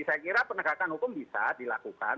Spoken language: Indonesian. saya kira penegakan hukum bisa dilakukan